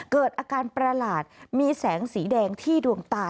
เกิดอาการประหลาดมีแสงสีแดงที่ดวงตา